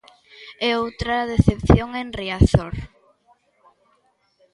E outra decepción en Riazor.